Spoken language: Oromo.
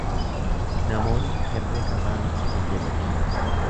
Namoonni herrega baankii fayyadamu.